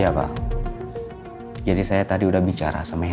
yang ada di dalam pandangan syahid milik pendidikan